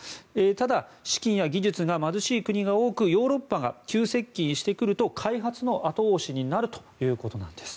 ただ、資金や技術が貧しい国が多くヨーロッパが急接近してくると開発の後押しになるということなんです。